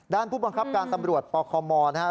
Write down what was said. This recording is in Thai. ด้านผู้บังคับการตำรวจปคมนะฮะ